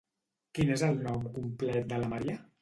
Quin és el nom complet de la Maria?